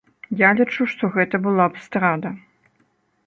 Я лічу, што гэта была б здрада.